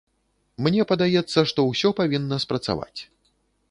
Мне падаецца, што ўсё павінна спрацаваць.